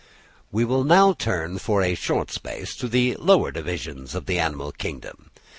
We will now turn for a short space to the lower divisions of the animal kingdom.